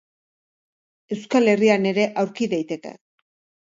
Euskal Herrian ere aurki daiteke.